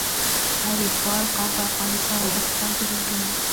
حریفال قوم په افغانستان او پاکستان کي ژوند کوي.